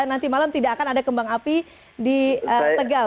nanti malam tidak akan ada kembang api di tegal